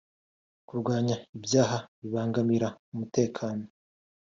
” Kurwanya ibyaha bibangamira umutekano